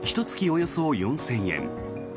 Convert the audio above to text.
およそ４０００円